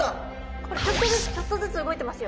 これちょっとずつちょっとずつ動いてますよ。